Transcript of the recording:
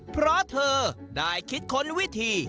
เพราะเธอได้คิดค้นวิธี